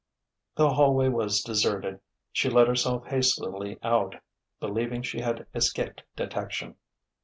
The hallway was deserted. She let herself hastily out, believing she had escaped detection.